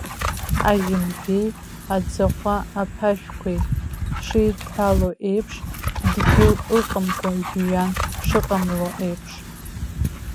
Ажьымжәеи аӡахәа аԥашәқәеи шеидҳәалоу еиԥш, дгьыл ыҟамкәа жәҩан шыҟамло еиԥш.